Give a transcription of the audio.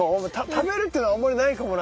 食べるっていうのはあんまりないかもな。